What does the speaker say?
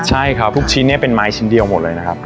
ใช่ครับทุกชิ้นเนี่ยเป็นไม้ชิ้นเดียวหมดเลยนะครับ